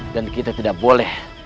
dan kita tidak boleh